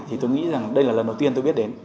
thì tôi nghĩ rằng đây là lần đầu tiên tôi biết đến